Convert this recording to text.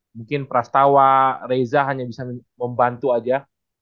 mungkin prastawa reza hanya bisa membantu aja